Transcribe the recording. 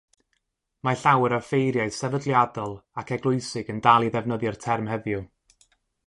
Mae llawer o ffeiriau sefydliadol ac eglwysig yn dal i ddefnyddio'r term heddiw.